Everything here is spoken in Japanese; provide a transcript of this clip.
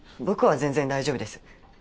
僕は全然大丈夫です。